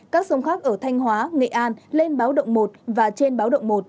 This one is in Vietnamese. các sông khác ở thanh hóa nghệ an lên báo động một và trên báo động một